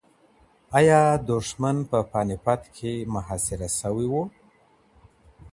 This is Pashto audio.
ایا دښمن په پاني پت کې محاصره شوی و؟